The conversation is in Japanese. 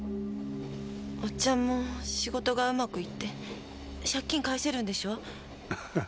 オッチャンも仕事がうまく行って借金返せるんでしょ？